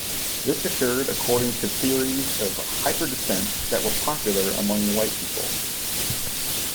This occurred according to theories of hyperdescent that were popular among white people.